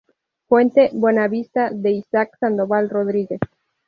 Fuente: "Buena Vista" de Isaac Sandoval Rodríguez.